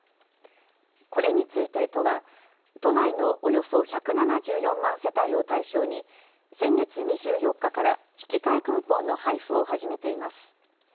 これについて都は都内のおよそ１７４万世帯を対象に先月２４日から引き換えクーポンの配布を始めています。